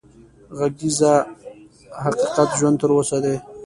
غږېږه حقيقت ژوندی تر اوسه دی